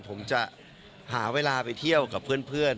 ผมจะหาเวลาไปเที่ยวกับเพื่อน